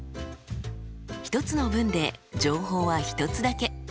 一つの文で情報は一つだけ。